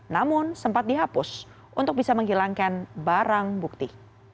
namun sempat dihapus untuk bisa menghilangkan barang bukti